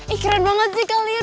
ih keren banget sih kalian